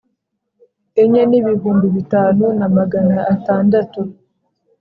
Enye n ibihumbi bitanu na magana atandatu